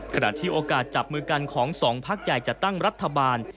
ขณะที่โอกาสจับมือกันของสองพักใหญ่จะตั้งรัฐบาล